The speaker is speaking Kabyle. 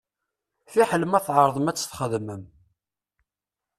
Fiḥel ma tεerḍem ad t-txedmem.